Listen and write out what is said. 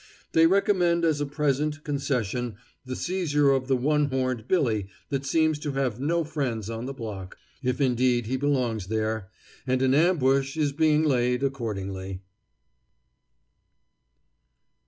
They recommend as a present concession the seizure of the one horned Billy that seems to have no friends on the block, if indeed he belongs there, and an ambush is being laid accordingly.